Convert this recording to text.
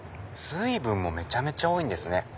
水分もめちゃめちゃ多いんですね。